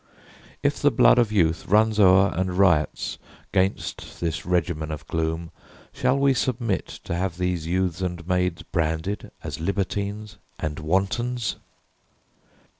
If the blood of youth runs o'er And riots 'gainst this regimen of gloom, Shall we submit to have these youths and maids Branded as libertines and wantons?"